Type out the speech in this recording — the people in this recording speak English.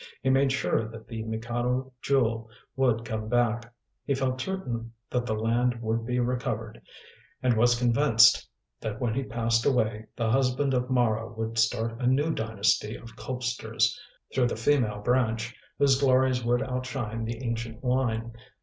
He made sure that the Mikado Jewel would come back; he felt certain that the land would be recovered, and was convinced that when he passed away, the husband of Mara would start a new dynasty of Colpsters, through the female branch, whose glories would outshine the ancient line.